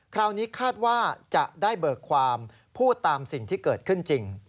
คราวนี้คาดว่าจะได้เบิกความพูดตามสิ่งที่เกิดขึ้นจริง